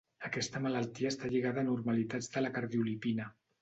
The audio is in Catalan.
Aquesta malaltia està lligada a anormalitats de la Cardiolipina.